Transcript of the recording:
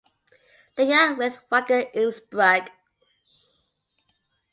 Liga with Wacker Innsbruck.